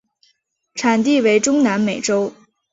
产地为中南美洲。